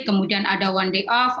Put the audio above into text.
kemudian ada one way off